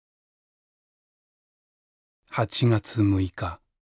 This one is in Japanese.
「８月６日。